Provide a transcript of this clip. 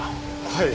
はい。